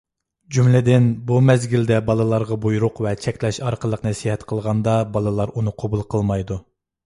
جۈملىدىن، بۇ مەزگىلدە بالىلارغا بۇيرۇق ۋە چەكلەش ئارقىلىق نەسىھەت قىلغاندا بالىلار ئۇنى قوبۇل قىلمايدۇ.